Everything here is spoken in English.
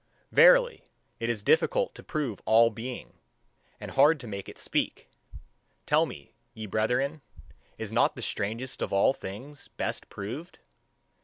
Verily, it is difficult to prove all being, and hard to make it speak. Tell me, ye brethren, is not the strangest of all things best proved?